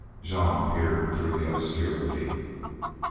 Jean peered through the obscurity.